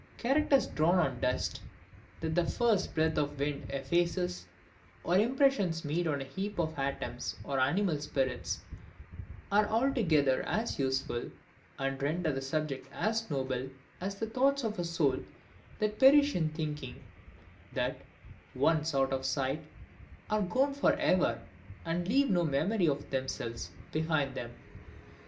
Characters drawn on dust, that the first breath of wind effaces; or impressions made on a heap of atoms, or animal spirits, are altogether as useful, and render the subject as noble, as the thoughts of a soul that perish in thinking; that, once out of sight, are gone for ever, and leave no memory of themselves behind them.